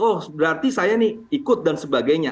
oh berarti saya nih ikut dan sebagainya